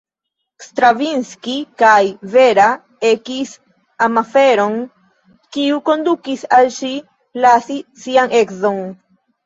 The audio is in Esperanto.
Stravinski kaj Vera ekis amaferon kiu kondukis al ŝi lasi sian edzon.